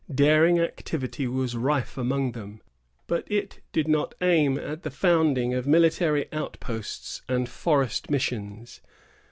Daring activity was rife among them, but it did not aim at the founding of military outposts and forest missions.